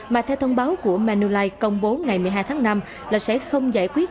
mà theo thông báo của manulife công bố ngày một mươi hai tháng năm là sẽ không giải quyết